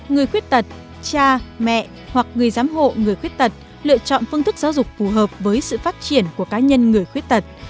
ba người khuyết tật cha mẹ hoặc người giám hộ người khuyết tật lựa chọn phương thức giáo dục phù hợp với sự phát triển của cá nhân người khuyết tật